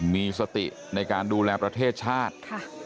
มีสติในการดูแลประเทศชาติ